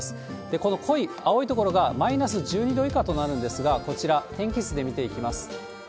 この濃い青い所が、マイナス１２度以下となるんですが、こちら、天気図で見ていきます。